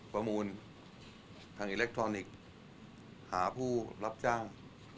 ประมูลทางอิเล็กทรอนิกส์หาผู้รับจ้าง